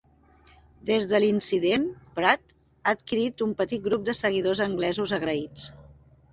Des de l'incident, Pratt ha adquirit un petit grup de seguidors anglesos agraïts.